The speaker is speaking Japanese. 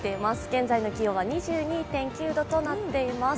現在の気温は２２．９度となっています。